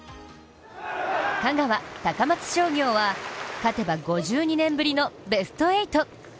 香川・高松商業は勝てば５２年ぶりのベスト８。